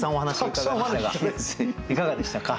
いかがでしたか？